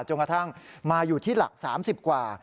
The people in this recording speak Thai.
จนกระทั่งมาอยู่ที่หลัก๓๐กว่า